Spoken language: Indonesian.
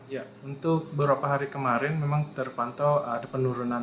ya untuk beberapa hari kemarin memang terpantau ada penurunan